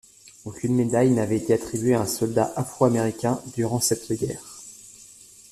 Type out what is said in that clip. Aucune médaille n’avait été attribuée à un soldat afro-américain durant cette guerre.